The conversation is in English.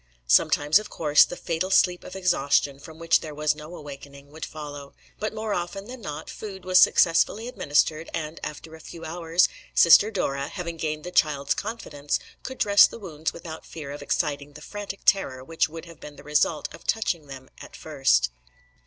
Sometimes, of course, the fatal sleep of exhaustion, from which there was no awakening, would follow; but more often than not food was successfully administered, and after a few hours, Sister Dora, having gained the child's confidence, could dress the wounds without fear of exciting the frantic terror which would have been the result of touching them at first."